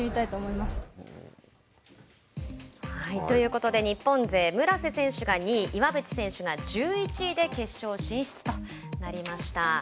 ということで日本勢、村瀬選手が２位岩渕選手が１１位で決勝進出となります。